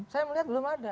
saya melihat belum ada